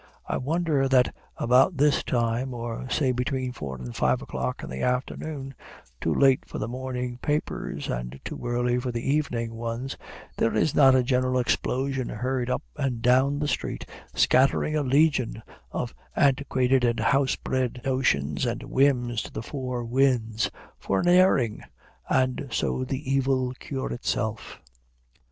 I wonder that about this time, or say between four and five o'clock in the afternoon, too late for the morning papers and too early for the evening ones, there is not a general explosion heard up and down the street, scattering a legion of antiquated and house bred notions and whims to the four winds for an airing, and so the evil cure itself.